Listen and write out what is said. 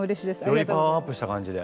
よりパワーアップした感じで。